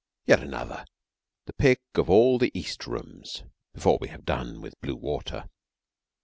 Yet another, the pick of all the East rooms, before we have done with blue water.